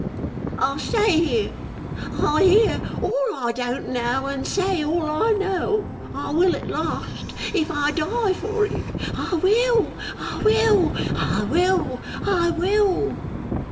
I'll stay here. I'll hear all I don't know, and say all I know. I will, at last, if I die for it. I will, I will, I will, I will!